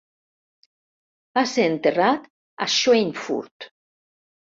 Va ser enterrat a Schweinfurt.